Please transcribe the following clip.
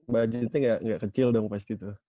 budgetnya nggak kecil dong pasti tuh